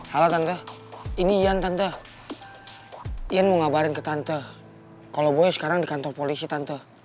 halo tante ini yan tante ian mau ngabarin ke tante kalau boy sekarang di kantor polisi tante